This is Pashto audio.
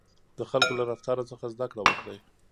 د خلکو له رفتار څخه زده کړه وکړئ.